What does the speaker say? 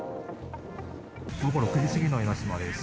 午後６時過ぎの江の島です。